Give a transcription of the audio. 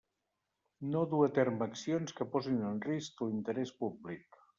No dur a terme accions que posin en risc l'interès públic.